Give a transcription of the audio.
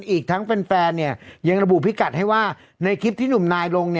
อีกทั้งแฟนยังระบุพิกัดให้ว่าในคลิปที่หนุ่มนายลง